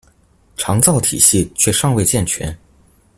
長照體系卻尚未健全